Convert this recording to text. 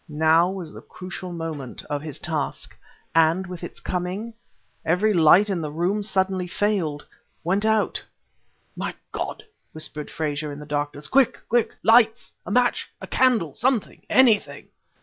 Now was the crucial moment of his task ... and, with its coming, every light in the room suddenly failed went out! "My God!" whispered Frazer, in the darkness, "quick! quick! lights! a match! a candle! something, anything!"